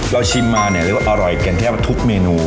เราชิมมาเรียกว่าอร่อยกันแทบทุกเมนู